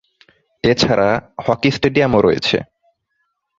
এছাড়া hockey stadium ও রয়েছে।